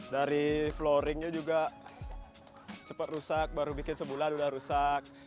dari floaringnya juga cepat rusak baru bikin sebulan udah rusak